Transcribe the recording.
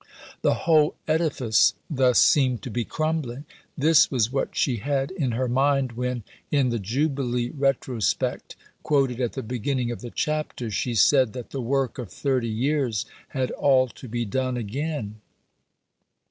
The whole edifice thus seemed to be crumbling. This was what she had in her mind when, in the Jubilee retrospect quoted at the beginning of the chapter, she said that the work of thirty years had all to be done again.